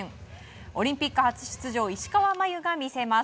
オリンピック初出場石川真佑が見せます。